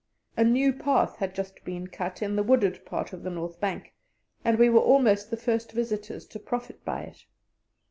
A new path had just been cut in the wooded part of the north bank, and we were almost the first visitors to profit by it.